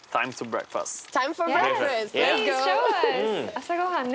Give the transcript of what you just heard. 朝ごはんね。